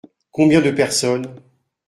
Combien de personnes ?